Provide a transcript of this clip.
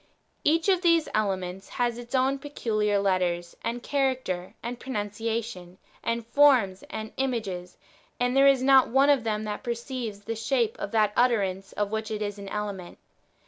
Each of these elements has its own peculiar letters, and character, and pronunciation, and forms, and images, and there is not one of them that perceives the shape of that [utterance] of which it is an element.